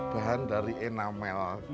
bahan dari enamel